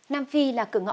nam phi là cửa ngõ